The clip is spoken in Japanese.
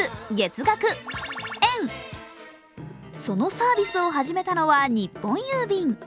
そのサービスを始めたのは日本郵便。